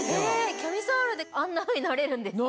キャミソールであんなふうになれるんですか？